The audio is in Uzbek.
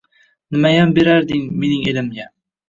Nimayam berarding mening elimga